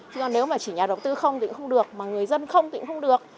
chứ còn nếu mà chỉ nhà đầu tư không thì cũng không được mà người dân không tỉnh không được